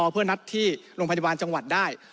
เพื่อนัดที่โรงพยาบาลจังหวัดได้